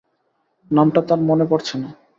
নামটা তার মনে পড়ছে না।